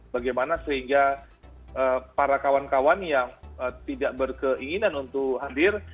bagaimana sehingga para kawan kawan yang tidak berkeinginan untuk hadir